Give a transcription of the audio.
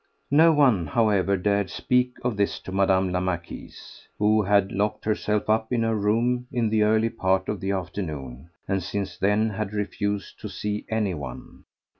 No one, however, dared speak of this to Madame la Marquise, who had locked herself up in her room in the early part of the afternoon, and since then had refused to see anyone.